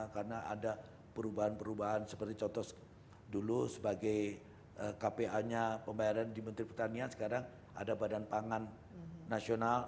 karena ada perubahan perubahan seperti contoh dulu sebagai kpa nya pembayaran di menteri pertanian sekarang ada badan pangan nasional